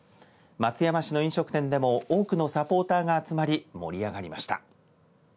松山市の飲食店でも多くのサポーターが集まり盛り上がりました。